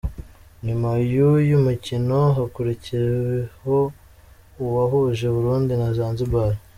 Nyuma y’uyu mukino hakurikiho uwahuje Uburundi na Zanzibar.